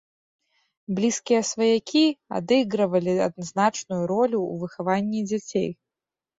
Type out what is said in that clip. Блізкія сваякі адыгрывалі значную ролю ў выхаванні дзяцей.